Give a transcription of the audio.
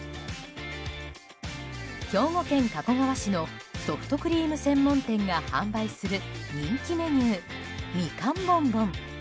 兵庫県加古川市のソフトクリーム専門店が販売する人気メニューみかんボンボン。